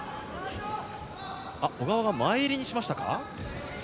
小川は前襟にしましたか。